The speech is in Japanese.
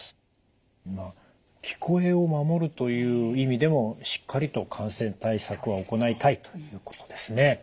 まあ聞こえを守るという意味でもしっかりと感染対策は行いたいということですね。